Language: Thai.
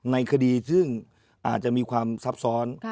ในคดีซึ่งอาจจะมีความซับซ้อน